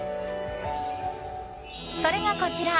それが、こちら！